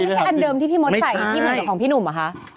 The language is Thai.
อันนี้ไม่ใช่อันเดิมที่พี่มดใส่ที่เหมือนกับของพี่หนุ่มอ่ะคะ